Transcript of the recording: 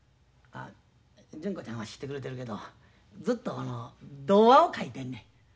純子ちゃんは知ってくれてるけどずっと童話を書いてんねん。